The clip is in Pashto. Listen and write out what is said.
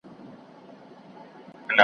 د شته من مړی یې تل غوښتی له خدایه .